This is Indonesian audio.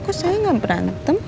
kok saya enggak berantem